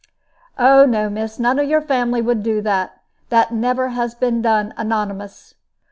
"Oh no, miss, none of your family would do that; that never has been done anonymous."